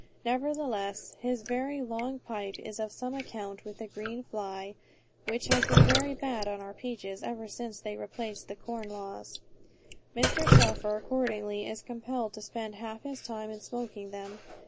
Nevertheless, his very long pipe is of some account with the green fly, which has been very bad on our peaches, ever since they repealed the corn laws. Mr. Shelfer, accordingly, is compelled to spend half his time in smoking them.